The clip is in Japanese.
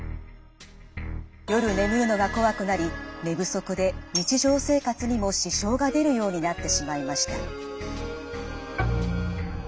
夜眠るのがこわくなり寝不足で日常生活にも支障が出るようになってしまいました。